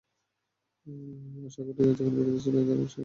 আশা করি, যেখানে বিরতি পড়েছিল, আবার সেখান থেকেই শুরু করতে পারব।